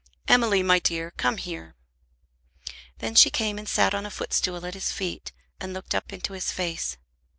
"Emily, my dear, come here." Then she came and sat on a footstool at his feet, and looked up into his face.